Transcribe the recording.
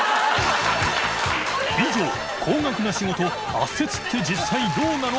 祕幣高額な仕事圧接って実際どうなの？